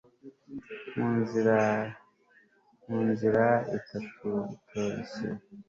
Mu nzira Itatu itoroshye